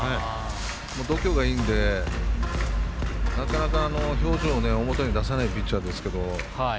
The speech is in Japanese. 度胸がいいのでなかなか表情を表に出さないピッチャーですけど。